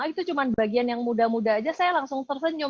itu cuma bagian yang muda muda aja saya langsung tersenyum